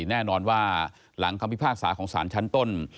แน่นอนว่าหลังคำพิพากษาของสารชั้นต้น